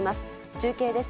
中継です。